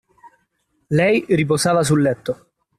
Lei riposava sul letto.